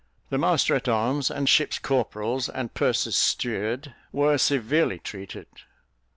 The master at arms, and ship's corporals, and purser's steward, were severely treated.